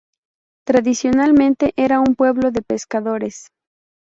Tradicionalmente era un pueblo de pescadores.